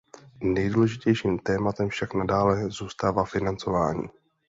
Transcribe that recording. Nejdůležitějším tématem však nadále zůstává financování.